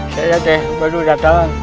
saya baru datang